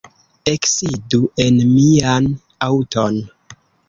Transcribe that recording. Eksidu en mian aŭton.